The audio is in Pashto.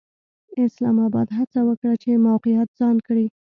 اسلام اباد هڅه وکړه چې موقعیت ځان کړي.